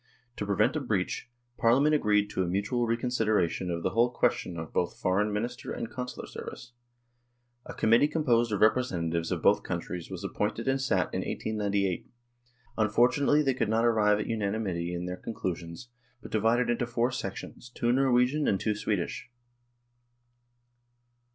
To prevent a breach, Parliament agreed to a mutual reconsideration of the whole question of both Foreign Minister and Consular service. A committee com posed of representatives of both countries was ap pointed and sat in 1898. Unfortunately they could not arrive at unanimity in their conclusions, but divided into four sections, two Norwegian and two Swedish.